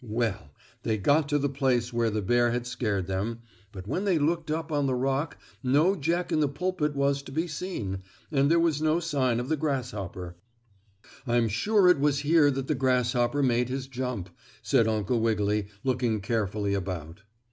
Well, they got to the place where the bear had scared them, but when they looked up on the rock no Jack in the Pulpit was to be seen, and there was no sign of the grasshopper. Illustration: Uncle Wiggily and the Monkey "I'm sure it was here that the grasshopper made his jump," said Uncle Wiggily, looking carefully about.